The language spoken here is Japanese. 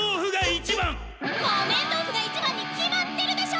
木綿豆腐が一番に決まってるでしょ！